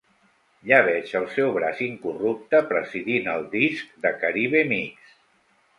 Ja veig el seu braç incorrupte presidint el disc de "Caribe Mix".